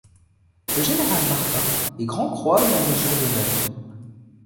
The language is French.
Le général Martin est grand croix de la Légion d'honneur.